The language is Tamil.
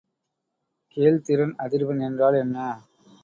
கேள்திறன் அதிர்வெண் என்றால் என்ன?